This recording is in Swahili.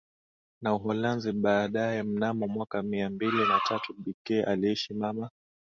na Uholanzi baadaye Mnamo mwaka Mia mbili na tatu B K aliishi mama